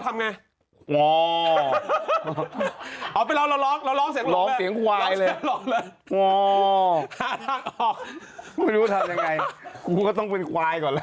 ไม่ว่าฉันรู้ทำยังไงฉันก็ต้องพื้นควายก่อนล่ะ